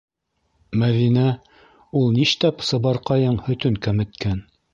Мәҙинә, у ништәп Сыбарҡайың һөтөн кәметкән?